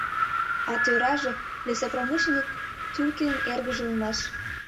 А тӧраже лесопромышленник Тюлькинын эргыже улмаш.